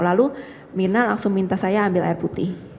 lalu mirna langsung minta saya ambil air putih